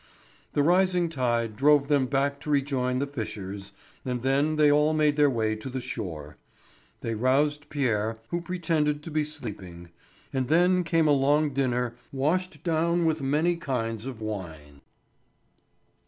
The rising tide drove them back to rejoin the fishers, and then they all made their way to the shore. They roused Pierre, who pretended to be sleeping; and then came a long dinner washed down with many kinds of wine.